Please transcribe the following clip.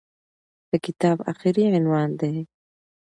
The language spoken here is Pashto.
د کتاب اخري عنوان دى.